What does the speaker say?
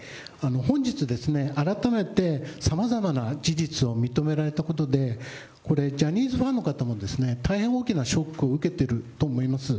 本日ですね、改めてさまざまな事実を認められたことで、これ、ジャニーズファンの方もですね、大変大きなショックを受けてると思います。